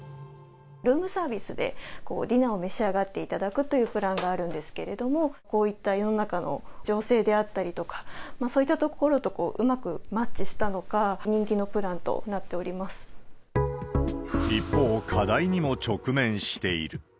ルームサービスでディナーを召し上がっていただくというプランがあるんですけれども、こういった世の中の情勢であったりとか、そういったところとうまくマッチしたのか、人気のプランとなって一方、課題にも直面している。